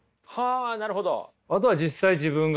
あなるほど。